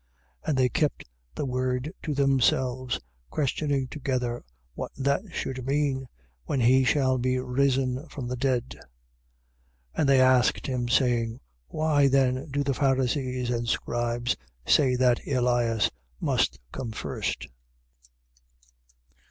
9:9. And they kept the word to themselves; questioning together what that should mean, when he shall be risen from the dead. 9:10. And they asked him, saying: Why then do the Pharisees and scribes say that Elias must come first?